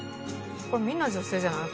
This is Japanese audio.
これみんな女性じゃない？